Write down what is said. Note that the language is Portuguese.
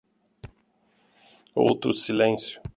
Outro silêncio